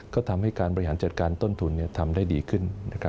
ก็ทำให้การบริหารจัดการต้นทุนทำได้ดีขึ้น